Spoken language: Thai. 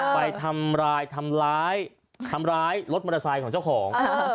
ไปทำร้ายทำร้ายรถมอเตอร์ไซค์ของเจ้าของ